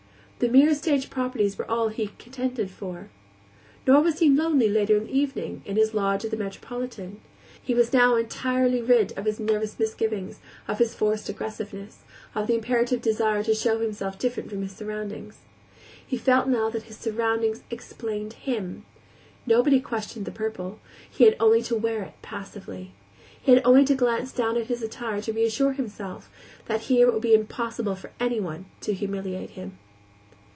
The mere stage properties were all he contended for. Nor was he lonely later in the evening, in his lodge at the Metropolitan. He was now entirely rid of his nervous misgivings, of his forced aggressiveness, of the imperative desire to show himself different from his surroundings. He felt now that his surroundings explained him. Nobody questioned the purple; he had only to wear it passively. He had only to glance down at his attire to reassure himself that here it would be impossible for anyone to humiliate him.